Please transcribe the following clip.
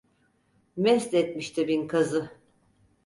Mest etmişti bin kazı.